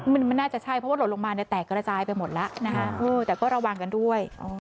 มันน่าจะใช่เพราะว่าหล่นลงมาเนี่ยแตกกระจายไปหมดแล้วนะคะแต่ก็ระวังกันด้วย